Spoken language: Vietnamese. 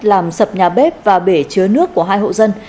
làm sập nhà bếp và bể chứa nước của hai hộ dân